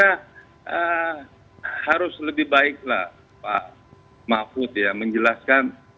saya kira harus lebih baiklah pak mahfud ya menjelaskan